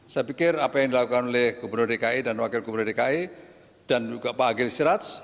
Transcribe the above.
saya pikir apa yang dilakukan oleh gubernur dki dan wakil gubernur dki dan juga pak agil siraj